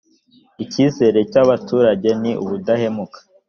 icyizere cy abaturage ni ubudahemuka